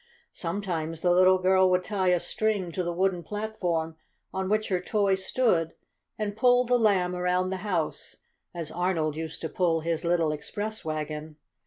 Sometimes the little girl would tie a string to the wooden platform, on which her toy stood, and pull the Lamb around the house, as Arnold used to pull his little express wagon.